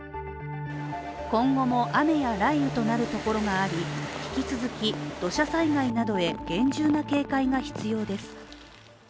今後も雨や雷雨となるところがあり引き続き土砂災害などへ厳重な警戒が必要です。